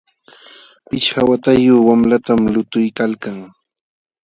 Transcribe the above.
Pishqa watayuq wamlatam lutuykalkan.